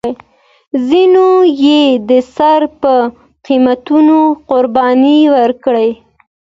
ځینو یې د سر په قیمتونو قربانۍ ورکړې.